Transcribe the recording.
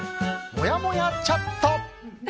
もやもやチャット。